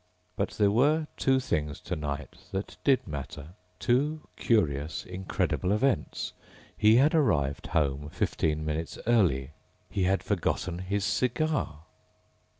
But there were two things tonight that did matter. Two curious, incredible events. He had arrived home fifteen minutes early. He had forgotten his cigar.